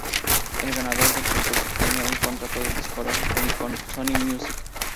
El ganador del concurso obtiene un contrato discográfico con Sony Music.